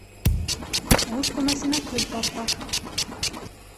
Үҙ күмәсенә көл тарта.